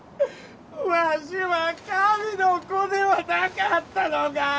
ワシは神の子ではなかったのか！？